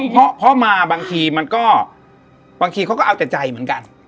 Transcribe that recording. เพราะมาบางทีมันก็บางทีเขาก็เอาแต่ใจเหมือนกัน